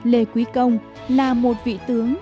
lê quý công là một vị tướng